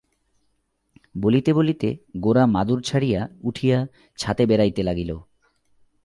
বলিতে বলিতে গোরা মাদুর ছাড়িয়া উঠিয়া ছাতে বেড়াইতে লাগিল।